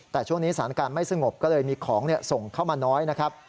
แต่ช่วงนี้สถานการณ์ไม่สงบก็เลยมีของส่งเข้ามาน้อยนะครับ